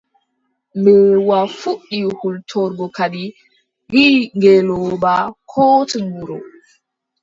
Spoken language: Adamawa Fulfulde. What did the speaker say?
Mbeewa fuɗɗi hultorgo kadi, wiʼi ngeelooba: kooten wuro.